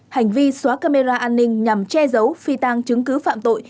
hành vi xóa camera an ninh nhằm che giấu phi tăng chứng cứ phạm tội